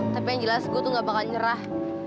tapi yang jelas gue tuh gak bakal nyerah